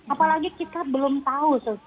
apalagi kita belum tahu